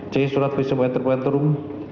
c surat visum interpretum